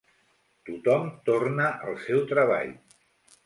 Tothom torna al seu treball.